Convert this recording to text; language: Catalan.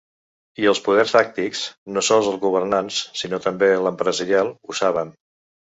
I els poders fàctics, no sols els governants sinó també l’empresarial, ho saben.